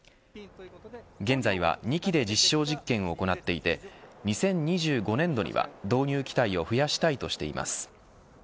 現在は２機で実証実験を行っていて２０２５年度には導入機体を増やしたいとしています。